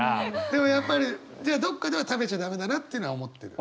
でもやっぱりじゃあどっかでは食べちゃ駄目だなってのは思ってる？